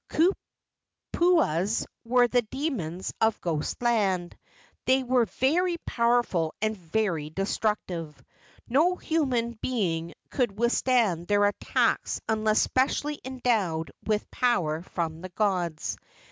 Kupuas were the demons of ghost land. They were very powerful and very destructive. No human being could withstand their attacks unless specially endowed with power from the gods.